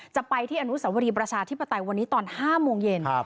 จะไปที่อนุสวรีประชาธิปไตยวันนี้ตอน๕โมงเย็น